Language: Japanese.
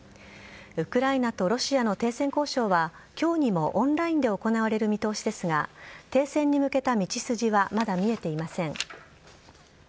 ウクライナとロシアの停戦交渉は今日にもオンラインで行われる見通しですが停戦に向けた道筋はまだ見えていません。